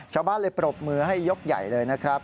ชาวบ้านเลยปรบมือให้ยกใหญ่เลยนะครับ